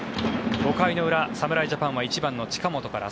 ５回の裏、侍ジャパンは１番の近本から。